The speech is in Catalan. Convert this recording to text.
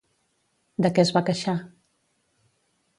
De què es va queixar?